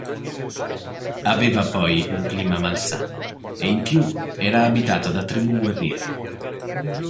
Aveva poi un clima malsano e in più era abitata da tribù guerriere.